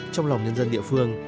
trong lòng nhân dân địa phương